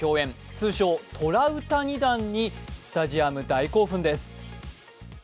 通称・トラウタニ弾にスタジアム大興奮です。